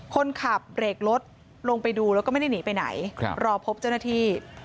คนขับเบรกรถลงไปดูแล้วก็ไม่ได้หนีไปไหนรอพบเจ้าหน้าที่